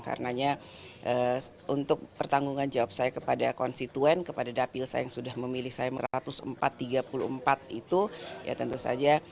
karena untuk pertanggungan jawab saya kepada konstituen kepada dapilsa yang sudah memilih saya satu ratus empat tiga puluh empat itu ya tentu saja